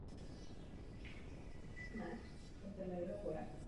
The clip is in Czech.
Asi dvacet metrů od věže se pravděpodobně nacházel obytný palác nepravidelného půdorysu.